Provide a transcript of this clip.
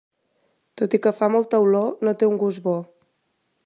Tot i que fa molta olor, no té un gust bo.